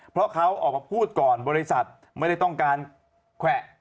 เพราะเขาออกมาพูดก่อนบริษัทไม่ได้ต้องการแขวะ